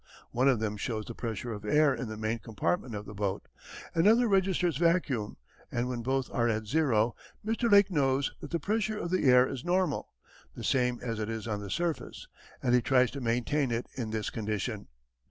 One of them shows the pressure of air in the main compartment of the boat, another registers vacuum, and when both are at zero, Mr. Lake knows that the pressure of the air is normal, the same as it is on the surface, and he tries to maintain it in this condition.